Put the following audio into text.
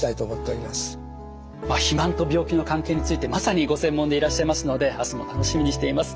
肥満と病気の関係についてまさにご専門でいらっしゃいますので明日も楽しみにしています。